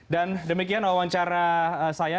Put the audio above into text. dan demikian wawancara saya